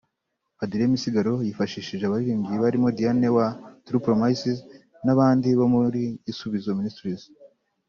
Adrien Misigaro yifashishije abaririmbyi barimo Diane wa True Promises n'abandi bo muri Gisubizo Ministries